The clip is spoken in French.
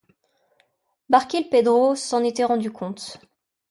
Barkilphedro s’en était rendu compte.